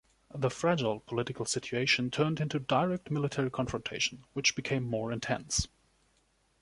The fragile political situation turned into direct military confrontation, which became more intense.